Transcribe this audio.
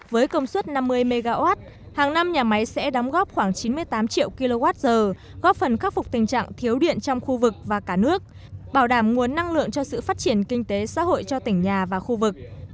với công suất năm mươi mw hàng năm nhà máy sẽ đóng góp khoảng chín mươi tám triệu kwh góp phần khắc phục tình trạng thiếu điện trong khu vực và cả nước bảo đảm nguồn năng lượng cho sự phát triển kinh tế xã hội cho tỉnh nhà và khu vực